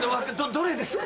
どれですか？